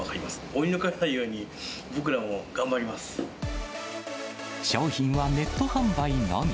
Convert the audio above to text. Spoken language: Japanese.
追い抜かれないように僕らも頑張商品はネット販売のみ。